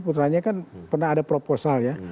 putranya kan pernah ada proposal ya